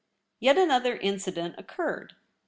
Yet another Incident occurred.